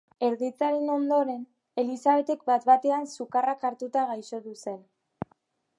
Erditzearen ondoren, Elisabetek bat-batean sukarrak hartuta gaixotu zen.